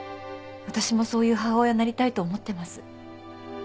わたしもそういう母親になりたいと思ってます。